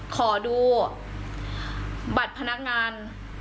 ขอดูบัตรพนักงาน